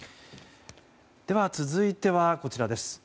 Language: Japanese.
では、続いてはこちらです。